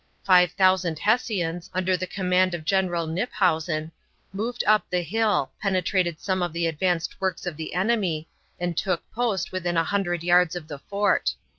Five thousand Hessians, under the command of General Knyphausen, moved up the hill, penetrated some of the advanced works of the enemy, and took post within a hundred yards of the fort.